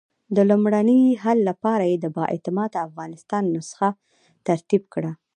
د لومړني حل لپاره یې د با اعتماده افغانستان نسخه ترتیب کړه.